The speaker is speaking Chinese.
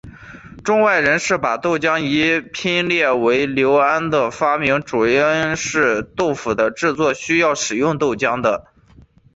中外人士把豆浆一拼列为刘安的发明主因是豆腐的制作是需要使用豆浆的。